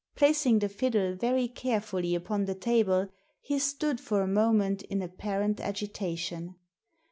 Placing the fiddle very carefully upon the table, he stood for a moment in apparent agitation.